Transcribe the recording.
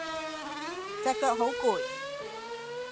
隻腳好攰